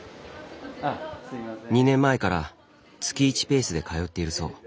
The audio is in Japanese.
２年前から月１ペースで通っているそう。